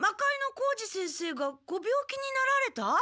小路先生がご病気になられた？